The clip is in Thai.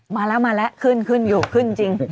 มาแล้วขึ้นอยู่ขึ้นจริง